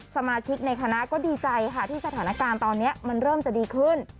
สมาชิกในคณะก็ดีใจค่ะที่สถานการณ์ตอนนี้มันเริ่มจะดีขึ้น